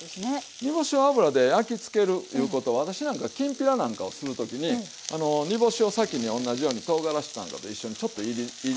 煮干しを油で焼きつけるいうことは私なんかきんぴらなんかをする時に煮干しを先におんなじようにとうがらしなんかと一緒にちょっといりいりいりするんです。